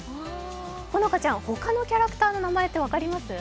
好花ちゃん、他のキャラクターの名前って分かります？